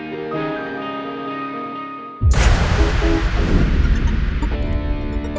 lepas senangan gue gak